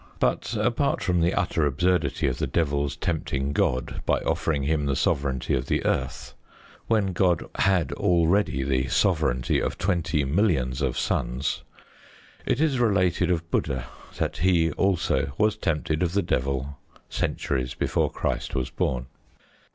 But apart from the utter absurdity of the Devil's tempting God by offering Him the sovereignty of the earth when God had already the sovereignty of twenty millions of suns it is related of Buddha that he also was tempted of the Devil centuries before Christ was born.